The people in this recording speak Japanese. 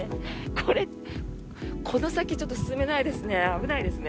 この先ちょっと進めないですね。